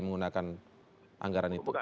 menggunakan anggaran itu